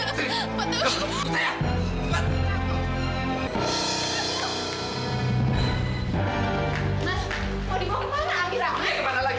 mas mau dibawa kemana lagi